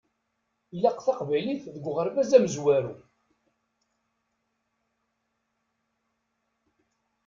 Ilaq taqbaylit deg uɣerbaz amezwaru.